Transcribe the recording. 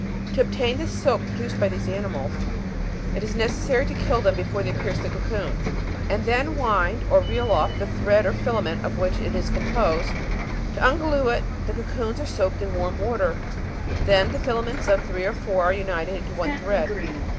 28. To obtain the silk produced by these animals, it is neces sary to kill them before they pierce the cocoon, and then wind or reel off the thread or filament of which it is composed ; to unglue it, the cocoons are soaked in warm water ; then the filaments of three or four are united into one thread.